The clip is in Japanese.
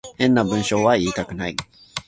変な文章は言いたくない